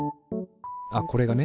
あっこれがね